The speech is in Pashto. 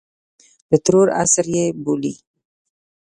د ترور عصر یې بولي.